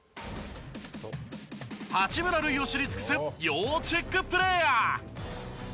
八村塁を知り尽くす要注意プレーヤー。